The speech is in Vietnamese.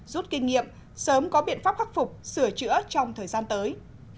rút kinh nghiệm sớm có biện pháp khắc phục sửa chữa trong thời gian tới